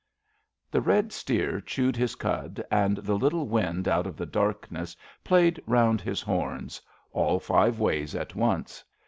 '' The red steer chewed his cud, and the little wind out of the darkness played round his horns — ^all five ways at once.